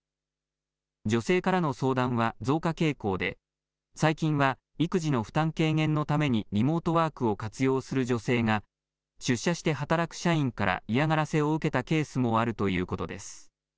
女性からの相談は増加傾向で、最近は育児の負担軽減のためにリモートワークを活用する女性が、出社して働く社員から嫌がらせを受けたケースもあるということです。